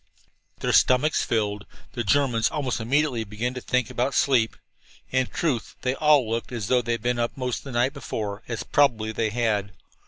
Their stomachs filled, the Germans almost immediately began to think about sleep. In truth, they all looked as though they had been up all of the night before, as probably they had.